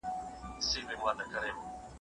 موږ بايد خپل رازونه وساتو.